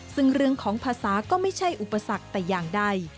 ซึ่งเรื่องของภาษาก็ไม่ใช่อุปสรรคแต่อย่างใด